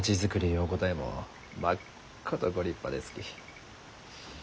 お答えもまっことご立派ですき。